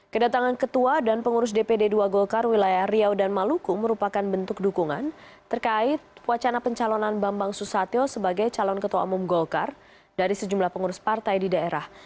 kedatangan ketua dan pengurus dpd dua golkar wilayah riau dan maluku merupakan bentuk dukungan terkait wacana pencalonan bambang susatyo sebagai calon ketua umum golkar dari sejumlah pengurus partai di daerah